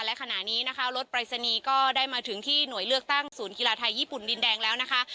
และขณะนี้นะคะรถปรายศนีย์ก็ได้มาถึงที่หน่วยเลือกตั้งศูนย์กีฬาไทยญี่ปุ่นดินแดงแล้วนะคะ